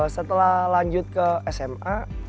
setelah lanjut ke sma